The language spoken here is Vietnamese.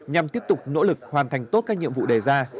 nhằm tiếp tục nỗ lực hoàn thành tốt các nhiệm vụ đề ra